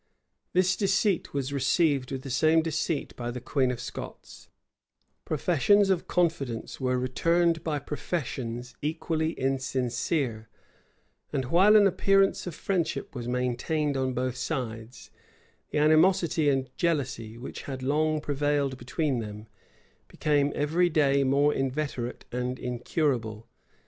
This deceit was received with the same deceit by the queen of Scots: professions of confidence were returned by professions equally insincere: and while an appearance of friendship was maintained on both sides, the animosity and jealousy, which had long prevailed between them, became every day more inveterate and incurable.